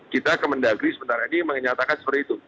kita ke mendagri sebentar lagi menyatakan seperti itu